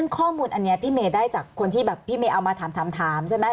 ข้อมูลอันนี้พี่เมย์ได้จากคนที่แบบพี่เมย์เอามาถามใช่ไหม